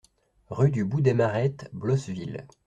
Rue du Bout des Marettes, Blosseville